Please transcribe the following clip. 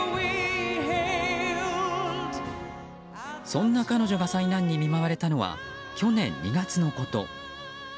そんな彼女が災難に見舞われたのは去年２月のこと。